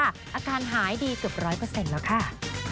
อาการหายดีกับร้อยเปอร์เซ็นต์แล้วค่ะ